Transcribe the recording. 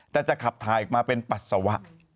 แต่จะขับถ่ายออกมาเป็นปัสสาวะ